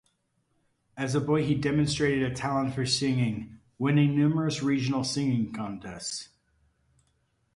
As a boy he demonstrated a talent for singing, winning numerous regional singing contests.